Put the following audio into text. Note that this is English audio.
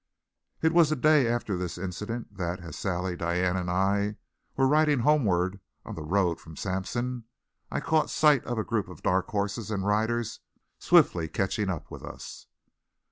It was the day after this incident that, as Sally, Diane, and I were riding homeward on the road from Sampson, I caught sight of a group of dark horses and riders swiftly catching up with us.